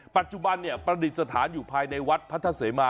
ปัจจุบันเนี่ยประดิษฐานอยู่ภายในวัดพัทธเสมา